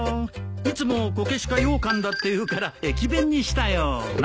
いつもコケシかようかんだっていうから駅弁にしたよ。